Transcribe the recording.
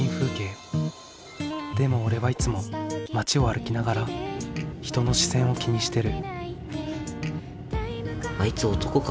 でも俺はいつも街を歩きながら人の視線を気にしてる。